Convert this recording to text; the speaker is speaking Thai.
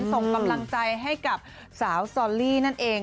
ส่งกำลังใจให้กับสาวซอลลี่นั่นเอง